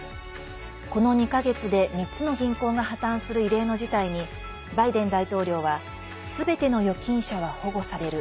この２か月で３つの銀行が破綻する異例の事態にバイデン大統領はすべての預金者は保護される。